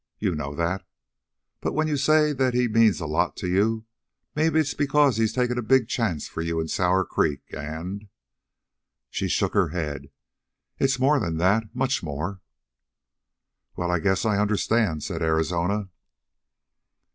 You know that. But when you say that he means a lot to you, maybe it's because he's taken a big chance for you in Sour Creek and " She shook her head. "It's more than that much more." "Well, I guess I understand," said Arizona.